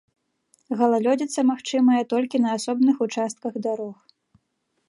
Галалёдзіца магчымая толькі на асобных участках дарог.